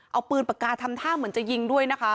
เอาปืนปากกาทำท่าเหมือนจะยิงด้วยนะคะ